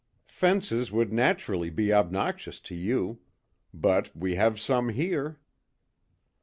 "Fences would naturally be obnoxious to you. But we have some here."